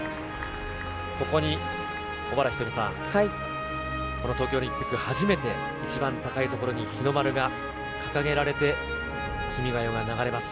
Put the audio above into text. ここに小原日登美さん、この東京オリンピック、初めて一番高い所に日の丸が掲げられて、君が代が流れます。